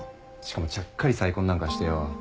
しかもちゃっかり再婚なんかしてよ。